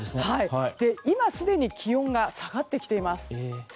今、すでに気温が下がってきています。